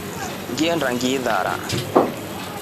Ngirenda ngilirara.